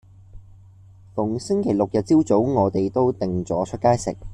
逢星期六日朝早，我哋都定咗出街食